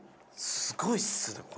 すごいっすねこれ。